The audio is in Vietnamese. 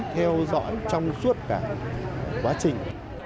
theo dõi trong suốt cả quá trình